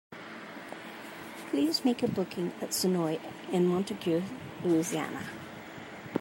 Please make a booking at Sonoy in Montague, Louisiana.